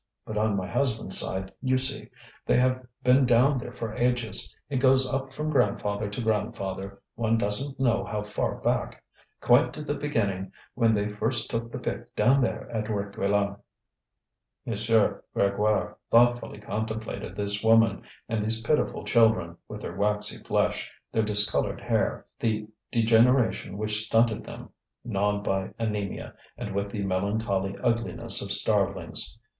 But on my husband's side, you see, they have been down there for ages. It goes up from grandfather to grandfather, one doesn't know how far back, quite to the beginning when they first took the pick down there at Réquillart." M. Grégoire thoughtfully contemplated this woman and these pitiful children, with their waxy flesh, their discoloured hair, the degeneration which stunted them, gnawed by anaemia, and with the melancholy ugliness of starvelings.